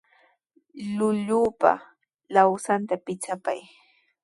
Llullupa lawsanta pichapay.